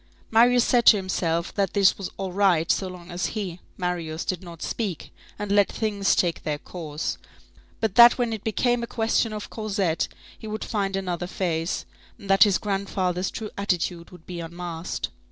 Marius said to himself that it was all right so long as he, Marius, did not speak, and let things take their course; but that when it became a question of Cosette, he would find another face, and that his grandfather's true attitude would be unmasked.